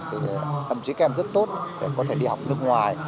thì thậm chí các em rất tốt để có thể đi học nước ngoài